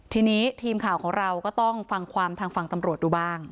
ทีนี้ทีมข่าวของเราก็ต้องฟังความทางฝั่งตำรวจดูบ้าง